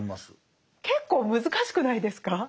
結構難しくないですか？